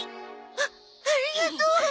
あありがとう。